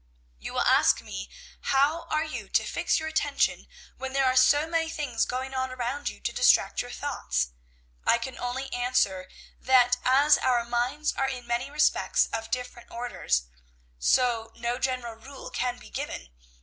"You will ask me how are you to fix your attention when there are so many things going on around you to distract your thoughts? I can only answer, that as our minds are in many respects of different orders, so, no general rule can be given.